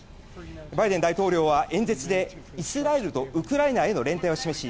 バイデン大統領は演説でイスラエルとウクライナへの連帯を示し